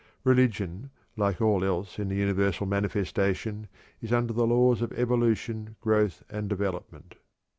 Religion, like all else in the universal manifestation, is under the laws of evolution, growth, and development.